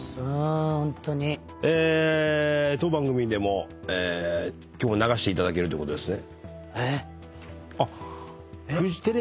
え当番組でも今日流していただけるということですね。